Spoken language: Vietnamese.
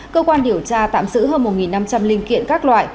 cơ quan điều tra tạm giữ hơn một năm trăm linh linh kiện các loại